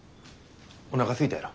おなかすいたやろ。